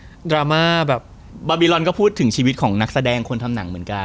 ดราม่าแบบบาร์บีรอนก็พูดถึงชีวิตของนักแสดงคนทำหนังเหมือนกัน